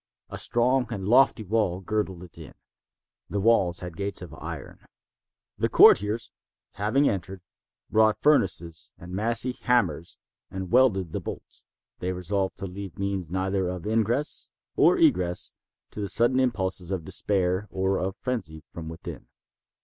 A strong and lofty wall girdled it in. This wall had gates of iron. The courtiers, having entered, brought furnaces and massy hammers and welded the bolts. They resolved to leave means neither of ingress or egress to the sudden impulses of despair or of frenzy from within.